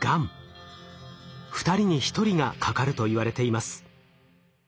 ２人に１人がかかるといわれています。